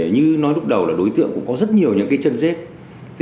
như nói lúc đầu là đối tượng cũng có rất nhiều chân rết